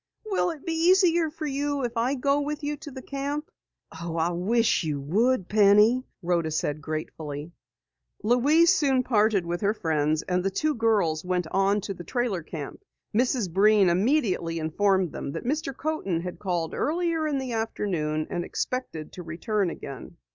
"Will it be easier for you if I go with you to the camp?" "Oh, I wish you would, Penny!" Rhoda said gratefully. Louise soon parted with her friends, and the two girls went on to the trailer camp. Mrs. Breen immediately informed them that Mr. Coaten had called earlier in the afternoon and expected to return again.